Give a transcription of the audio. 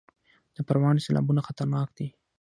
د پروان سیلابونه خطرناک دي